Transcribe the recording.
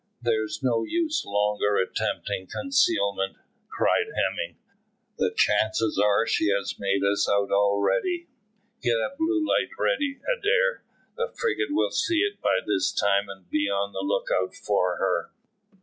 "There's no use longer attempting concealment," cried Hemming, "the chances are she has made us out already. Get a blue light ready, Adair. The frigate will see it by this time, and be on the look out for her.